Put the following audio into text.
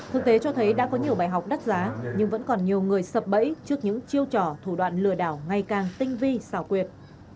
thực tế cho thấy đã có nhiều bài học đắt giá nhưng vẫn còn nhiều người sập bẫy trước những chiêu trò thủ đoạn lừa đảo ngày càng tinh vi xảo quyệt